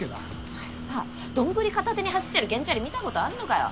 お前さ丼片手に走ってる原チャリ見たことあんのかよ？